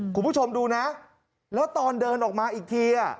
คุณผู้ชมดูนะแล้วตอนเดินออกมาอีกที